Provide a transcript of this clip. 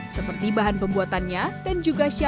seperti bahan pembuatannya dan jenis gitar